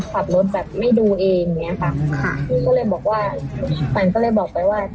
ขับรถแบบไม่ดูเองเนี้ยค่ะก็เลยบอกว่าปั่นก็เลยบอกไปว่า